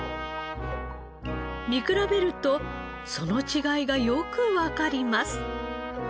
見比べるとその違いがよくわかります。